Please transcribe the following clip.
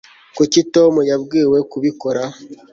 kuki tom yabwiwe kubikora